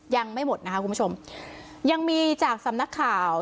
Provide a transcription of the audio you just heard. ยังไม่หมดนะคะคุณผู้ชมยังมีจากสำนักข่าว